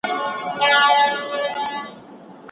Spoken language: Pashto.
کتاب ولولئ.